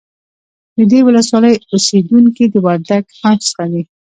د دې ولسوالۍ اوسیدونکي د وردگ قوم څخه دي